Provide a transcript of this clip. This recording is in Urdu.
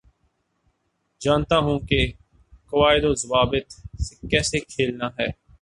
جانتا ہوں کے قوائد و ضوابط سے کیسے کھیلنا ہے